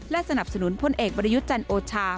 และสนับสนุนผลเอกปรยุจจันโอชา